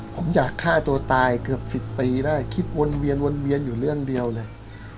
ผมอยากฆ่าตัวตายเกือบ๑๐ปีได้คิดวนเวียนวนเวียนอยู่เรื่องเดียวเลย